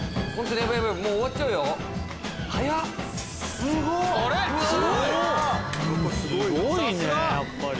すごいねやっぱり。